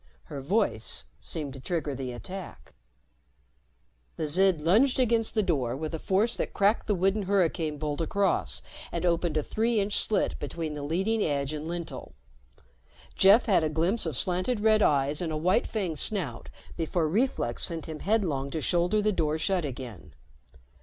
Her voice seemed to trigger the attack. The Zid lunged against the door with a force that cracked the wooden hurricane bolt across and opened a three inch slit between leading edge and lintel. Jeff had a glimpse of slanted red eyes and white fanged snout before reflex sent him headlong to shoulder the door shut again.